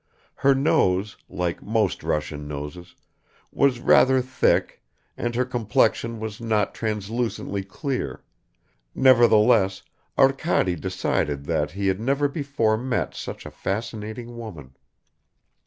Her nose like most Russian noses was rather thick, and her complexion was not translucently clear; nevertheless Arkady decided that he had never before met such a fascinating woman.